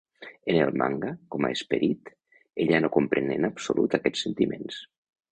En el manga, com a esperit, ella no comprèn en absolut aquests sentiments